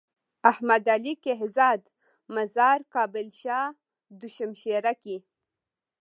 احمد علي کهزاد مزار کابل شاه دو شمشيره کي۔